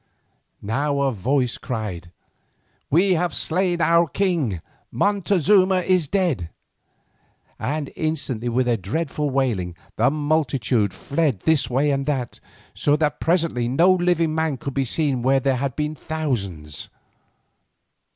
Now a voice cried, "We have slain our king. Montezuma is dead," and instantly with a dreadful wailing the multitude fled this way and that, so that presently no living man could be seen where there had been thousands.